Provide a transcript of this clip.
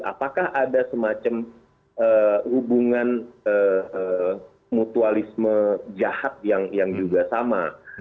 apakah ada semacam hubungan mutualisme jahat yang juga sama